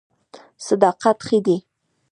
صداقت ښه دی.